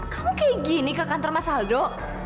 kamu kayak gini ke kantor mas aldo